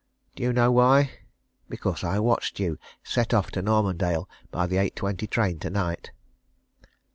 Do you know why? Because I watched you set off to Normandale by the eight twenty train tonight!"